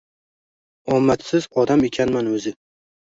Omadsiz odam ekanman o`zi